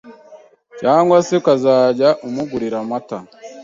cyangwa se ukazajya umugurira amata